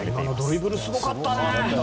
ドリブル、すごかったね。